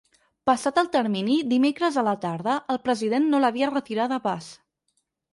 Passat el termini, dimecres a la tarda, el president no l’havia retirada pas.